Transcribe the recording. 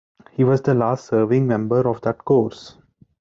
He was the last serving member of that course.